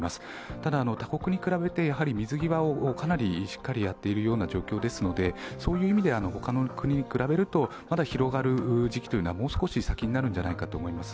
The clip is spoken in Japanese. ただ他国に比べてやはり水際をかなりしっかりやっているような状況ですので、そういう意味では他の国に比べると、まだ広がる時期はもう少し先になるんじゃないかと思います。